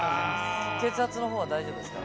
血圧のほうは大丈夫ですか？